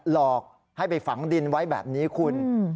หลอกให้ไปฝังดินไว้แบบนี้คุณ